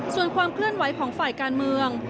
ส่วนความเคลื่อนไหวของฝ่ายการเมือง